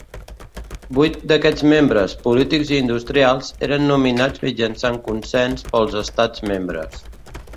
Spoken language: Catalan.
Vuit d'aquests membres, polítics i industrials, eren nominats mitjançant consens pels Estats membres.